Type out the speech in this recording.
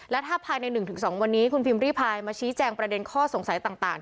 และถ้าภายใน๑๒วันนี้คุณพิมพ์ริพายมาชี้แจงประเด็นข้อสงสัยต่าง